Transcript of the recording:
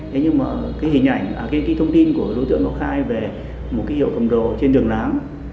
thế nhưng mà cái hình ảnh cái thông tin của đối tượng nó khai về một cái hiệu cầm đồ trên đường láng